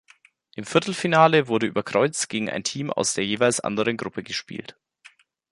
Im Viertelfinale wurde über Kreuz gegen ein Team aus der jeweils anderen Gruppe gespielt.